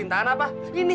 ini sih gak ada apa apa